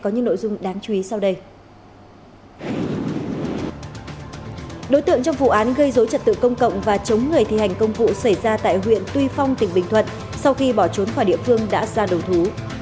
những tượng trong vụ án gây dối trật tự công cộng và chống người thi hành công vụ xảy ra tại huyện tuy phong tỉnh bình thuận sau khi bỏ trốn khỏi địa phương đã ra đầu thú